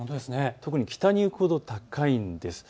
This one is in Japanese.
特に北に行くほど高いんです。